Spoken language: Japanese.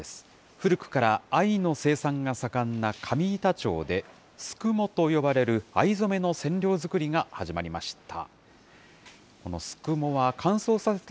古くから藍の生産が盛んな上板町で、すくもと呼ばれる藍染めの染料作りが始まりました。